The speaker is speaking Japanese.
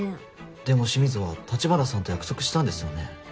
でも清水は立花さんと約束したんですよね。